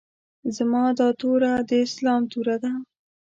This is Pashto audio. زما دا توره د اسلام توره ده.